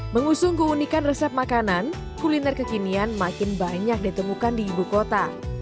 mengusung keunikan resep makanan kuliner kekinian makin banyak ditemukan di ibu kota